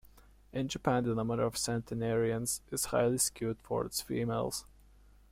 In Japan, the number of centenarians is highly skewed towards females.